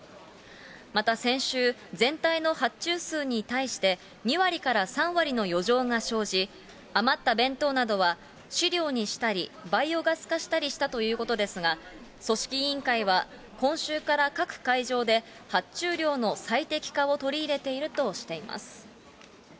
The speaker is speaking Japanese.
また、先週、全体の発注数に対して、２割から３割の余剰が生じ、余った弁当などは、飼料にしたり、バイオガス化したりしたということですが、組織委員会は、今週から各会場で、発注量の最適化を取り入れているとしています。